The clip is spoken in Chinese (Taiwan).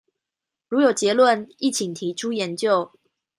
如有結論亦請提出研究